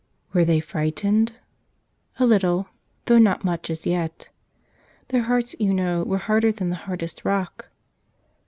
Were they frightened? A little, though not much as yet. Their hearts, you know, were harder than the hardest rock.